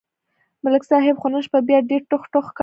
ملک صاحب خو نن شپه بیا ډېر ټوخ ټوخ کاوه